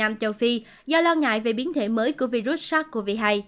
nam châu phi do lo ngại về biến thể mới của virus sars cov hai